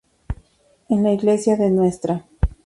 En la iglesia de Ntra.